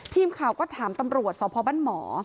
ทีมข่าวก็ถามตำรวจสพบ้านหมอ